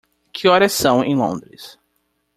Que horas são em Londres?